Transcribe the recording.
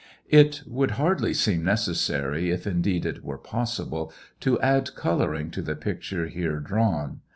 It would hardly seem necessary, if indeed it were possible, to add coloring ti the picture here drawn.